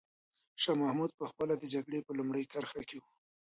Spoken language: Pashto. شاه محمود په خپله د جګړې په لومړۍ کرښه کې و.